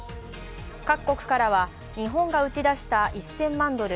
各国からは日本がうち出した１０００万ドル